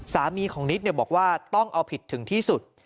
สามีของนิดบอกว่าต้องเอาผิดถึงที่สุด